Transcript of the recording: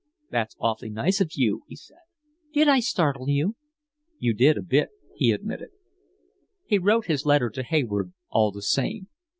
"That's awfully nice of you," he said. "Did I startle you?" "You did a bit," he admitted. He wrote his letter to Hayward all the same.